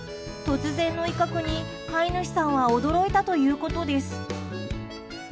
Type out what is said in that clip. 突然の威嚇に、飼い主さんは驚いたということです。